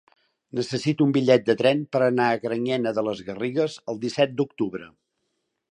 Necessito un bitllet de tren per anar a Granyena de les Garrigues el disset d'octubre.